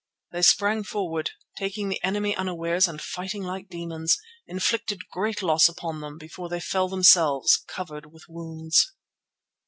they sprang forward, taking the enemy unawares and fighting like demons, inflicted great loss upon them before they fell themselves covered with wounds.